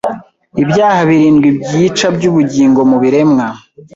Ibyaha birindwi byica byubugingo Mubiremwa